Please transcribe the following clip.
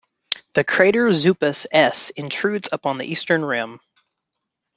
The crater Zupus S intrudes upon the eastern rim.